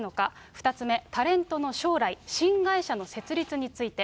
２つ目、タレントの将来、新会社の設立について。